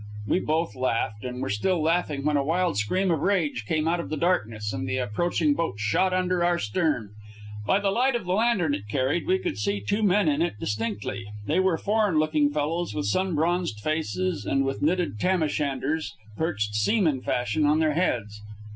We both laughed, and were still laughing when a wild scream of rage came out of the darkness, and the approaching boat shot under our stern. By the light of the lantern it carried we could see the two men in it distinctly. They were foreign looking fellows with sun bronzed faces, and with knitted tam o' shanters perched seaman fashion on their heads.